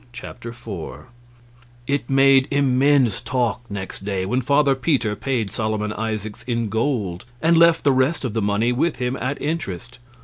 Chapter 4 It made immense talk next day, when Father Peter paid Solomon Isaacs in gold and left the rest of the money with him at interest.